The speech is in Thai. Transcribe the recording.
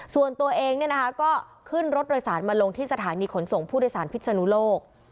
ส่วนตัวเองก็ขึ้นรถโดยสารมาลงที่สถานีขนส่งผู้โดยสารพิศนุโลก